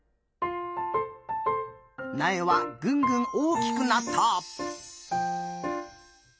なえはぐんぐん大きくなった。